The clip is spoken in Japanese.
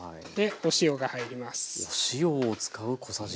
お塩が入ります。